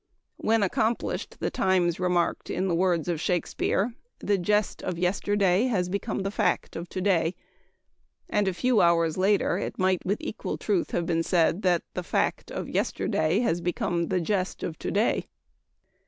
When accomplished, The Times remarked, in the words of Shakespeare, "The jest of yesterday has become the fact of to day"; and a few hours later it might with equal truth have been said that "the fact of yesterday has become the jest of to day!"